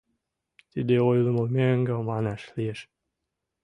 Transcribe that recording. Тиде ойлымо мӧҥгӧ манаш лиеш: